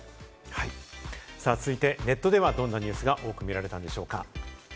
続いてネットではどんなニュースが多く見られたんでしょうか。